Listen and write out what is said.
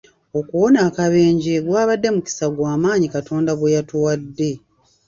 Okuwona akabenje gwabadde mukisa gwa maanyi Katonda gwe yatuwadde.